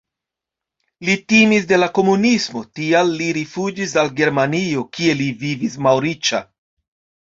Li timis de la komunismo, tial li rifuĝis al Germanio, kie li vivis malriĉa.